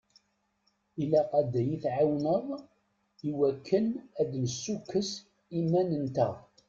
Ilaq ad yi-tɛawneḍ i wakken ad d-nessukkes iman-nteɣ.